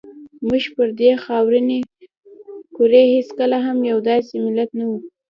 موږ پر دې خاورینې کرې هېڅکله هم یو داسې ملت نه وو.